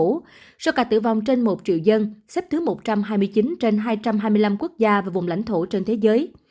trong số ca tử vong trên một triệu dân xếp thứ một trăm hai mươi chín trên hai trăm hai mươi năm quốc gia và vùng lãnh thổ trên thế giới